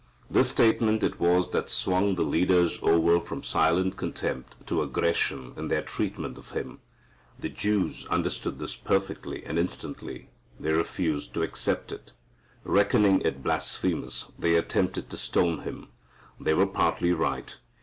This statement it was that swung the leaders over from silent contempt to aggression in their treatment of Him. The Jews understood this perfectly and instantly. They refused to accept it. Reckoning it blasphemous, they attempted to stone Him. They were partly right.